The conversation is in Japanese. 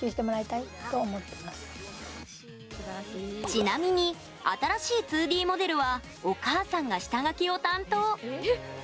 ちなみに新しい２Ｄモデルはお母さんが下書きを担当。